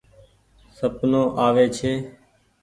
سپنو آوي ڇي۔